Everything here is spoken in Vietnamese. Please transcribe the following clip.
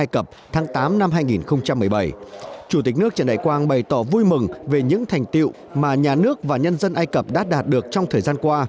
chủ tịch nước trần đại quang bày tỏ vui mừng về những thành tiệu mà nhà nước và nhân dân ai cập đã đạt được trong thời gian qua